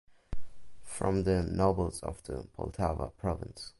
From the nobles of the Poltava province.